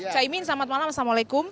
caimin selamat malam assalamualaikum